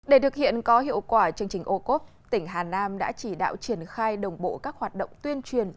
để thực hiện có hiệu quả chương trình ô cốp tỉnh hà nam đã chỉ đạo triển khai đồng bộ các hoạt động tuyên truyền